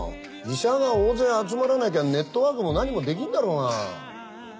医者が大勢集まらなきゃネットワークも何もできんだろうが。